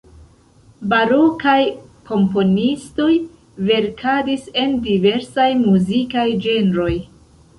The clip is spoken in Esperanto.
Barokaj komponistoj verkadis en diversaj muzikaj ĝenroj.